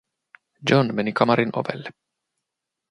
John meni kamarin ovelle.